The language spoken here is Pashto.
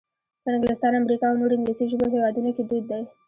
په انګلستان، امریکا او نورو انګلیسي ژبو هېوادونو کې دود دی.